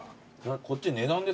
こっち値段ですか？